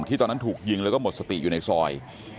ตอนนั้นถูกยิงแล้วก็หมดสติอยู่ในซอย